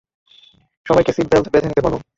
সবাইকে seat belt বেঁধে নিতে বলো।